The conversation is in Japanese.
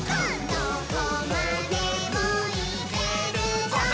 「どこまでもいけるぞ！」